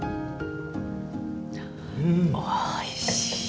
おいしい。